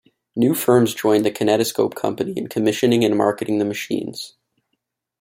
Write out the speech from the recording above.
New firms joined the Kinetoscope Company in commissioning and marketing the machines.